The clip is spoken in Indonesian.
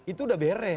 itu udah beres